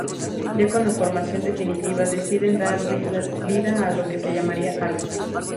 Ya con la formación definitiva deciden darle vida a lo que se llamaría Argus.